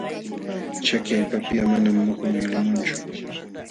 Chaki allpapiqa manam muhu yulimunchu.